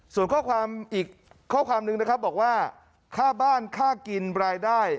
ส่วนข้อความอีกข้อความนึงนะครับบอกว่าค่าบ้านค่ากินรายได้